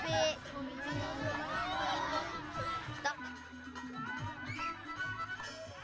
jatip cukup bangun cukup udara utuh pintu